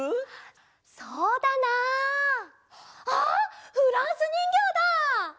そうだなあっフランスにんぎょうだ！